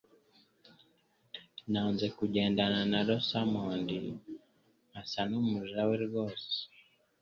Nanze kugendana na Rosamond, nkasa numuja we rwose